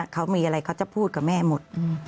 เขามีอะไรเขาจะพูดกับแม่หมด